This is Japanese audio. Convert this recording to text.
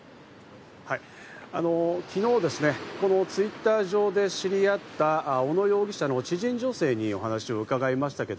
昨日ですね、Ｔｗｉｔｔｅｒ上で知りあった小野容疑者の知人女性にお話を伺いました。